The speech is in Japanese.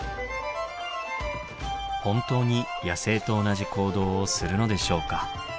本当に野生と同じ行動をするのでしょうか？